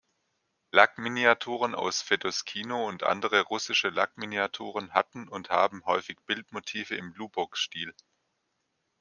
Lackminiaturen aus Fedoskino und andere russische Lackminiaturen hatten und haben häufig Bildmotive im Lubok-Stil.